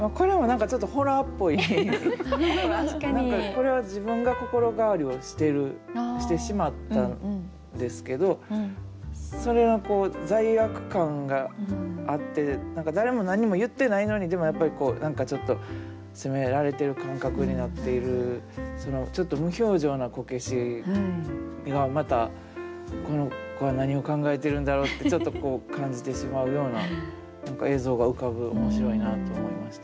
これは自分が心変わりをしているしてしまったんですけどそれがこう罪悪感があって誰も何も言ってないのにでもやっぱりこう何かちょっと責められてる感覚になっているちょっと無表情なこけしがまたこの子は何を考えてるんだろうってちょっとこう感じてしまうような映像が浮かぶ面白いなと思いました。